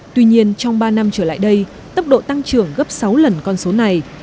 tuy nhiên trong ba năm trở lại đây tốc độ tăng trưởng gấp sáu lần con số này